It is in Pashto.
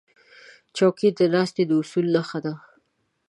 چوکۍ د ناستې د اصولو نښه ده.